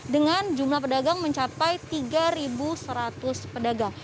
dengan jumlah pedagang mencapai tiga seratus pedagang